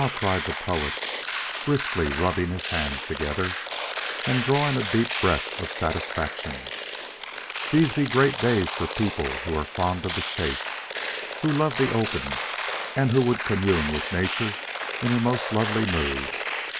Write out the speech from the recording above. cried the Poet, briskly rubbing his hands together, and drawing a deep breath of satisfaction, "these be great days for people who are fond of the chase, who love the open, and who would commune with Nature in her most lovely mood.